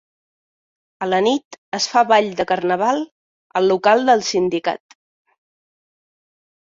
A la nit es fa ball de Carnaval al local del Sindicat.